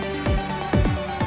jangan desapare itu